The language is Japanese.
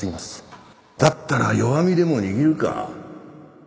だったら弱みでも握るか。